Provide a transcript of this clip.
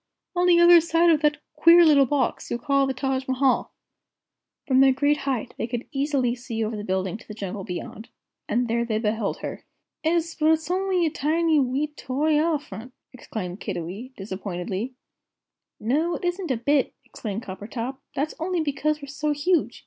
On the other side of that queer little box you call the Taj Mahal." From their great height they could easily see over the building to the jungle beyond. And there they beheld her. "'Es, but it's only a tiny wee toy eferlent!" exclaimed Kiddiwee, disappointedly. "No, it isn't a bit," exclaimed Coppertop; "that's only because we're so huge.